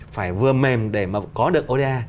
phải vừa mềm để mà có được oda